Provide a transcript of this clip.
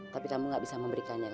tapi kamu gak bisa memberikannya